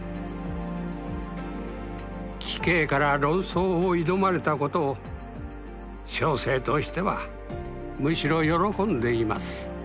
「貴兄から論争を挑まれたことを小生としてはむしろ喜んでいます」。